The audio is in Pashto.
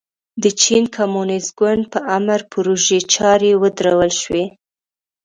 د چین کمونېست ګوند په امر پروژې چارې ودرول شوې.